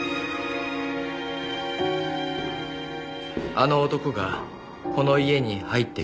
「あの男がこの家に入ってくる」